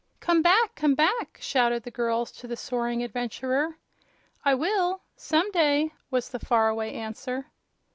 "Come back! Come back!" shouted the girls to the soaring adventurer. "I will some day!" was the far away answer.